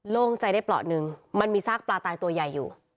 โล่งใจได้เปราะหนึ่งมันมีซากปลาตายตัวใหญ่อยู่